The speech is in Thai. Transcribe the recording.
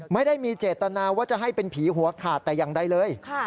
ไม่ได้มีเจตนาว่าจะให้เป็นผีหัวขาดแต่อย่างใดเลย